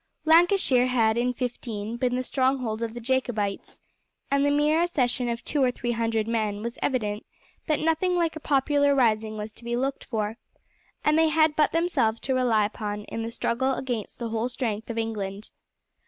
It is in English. Lancashire had in '15 been the stronghold of the Jacobites, and the mere accession of two or three hundred men was evident that nothing like a popular rising was to be looked for, and they had but themselves to rely upon in the struggle against the whole strength of England.